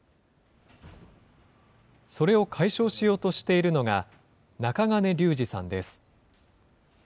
それを解消しようとしているのが、中金竜次さんです。